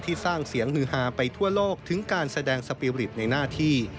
สร้างเสียงฮือฮาไปทั่วโลกถึงการแสดงสปีริตในหน้าที่